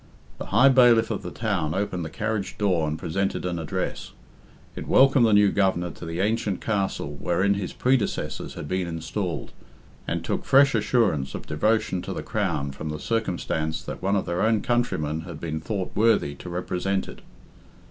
The High Bailiff of the town opened the carriage door and presented an address. It welcomed the new Governor to the ancient castle wherein his predecessors had been installed, and took fresh assurance of devotion to the Crown from the circumstance that one of their own countrymen had been thought worthy to represent it.